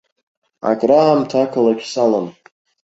Акраамҭа ақалақь салан.